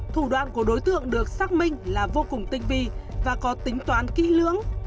thủ đoạn của đối tượng được xác minh là vô cùng tinh vi và có tính toán kỹ lưỡng